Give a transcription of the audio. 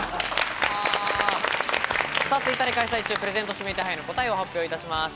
Ｔｗｉｔｔｅｒで開催中、プレゼント指名手配の答えを発表いたします。